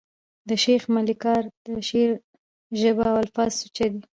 د شېخ ملکیار د شعر ژبه او الفاظ سوچه دي.